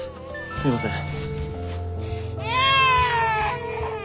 すいません。